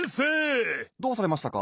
どうされましたか？